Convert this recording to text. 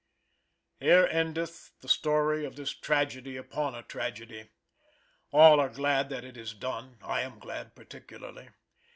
Here endeth the story of this tragedy upon a tragedy. All are glad that it is done. I am glad particularly.